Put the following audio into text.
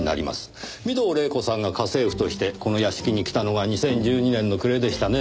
御堂黎子さんが家政婦としてこの屋敷に来たのが２０１２年の暮れでしたねぇ。